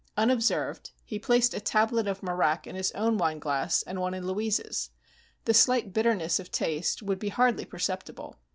Unobserved, he placed a tablet of marak in his own wineglass and one in Louise's. The slight bitterness of taste would be hardly perceptible.